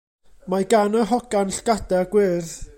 Mae gan yr hogan llgada gwyrdd.